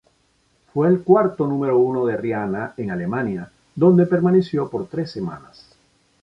Fue el cuarto número uno de Rihanna en Alemania donde permaneció por tres semanas.